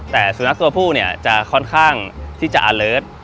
แต่สุนัขตัวผู้เนี่ยจะค่อนข้างที่จะอาเลิศ